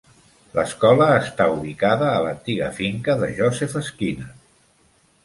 L'escola està ubicada a l'antiga finca de Joseph Skinner.